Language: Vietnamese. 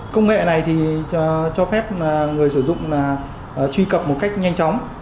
công nghệ này cho phép người sử dụng truy cập một cách nhanh chóng